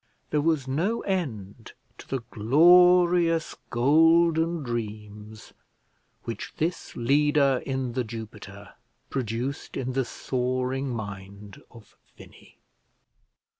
There was no end to the glorious golden dreams which this leader in The Jupiter produced in the soaring mind of Finney.